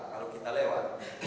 kalau kita lewat